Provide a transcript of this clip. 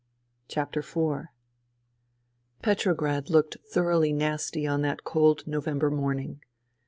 IV Petrograd looked thoroughly nasty on that cold November morning.